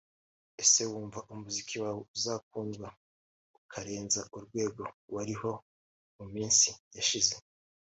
Ese wumva umuziki wawe uzakundwa ukarenza urwego wariho mu minsi yashize